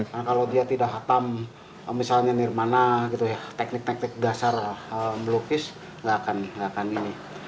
karena kalau dia tidak hatam misalnya nirmana gitu ya teknik teknik dasar melukis nggak akan ini